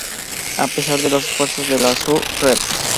A pesar de los esfuerzos de la "Zoo Crew!